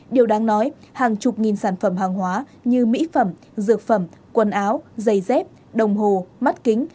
điều đáng nói hàng chục nghìn sản phẩm hàng hóa như mỹ phẩm dược phẩm quần áo giày dép đồng hồ mắt kính